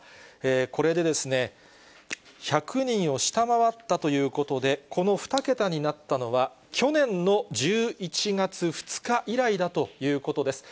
これで、１００人を下回ったということで、この２桁になったのは、去年の１１月２日以来だということです。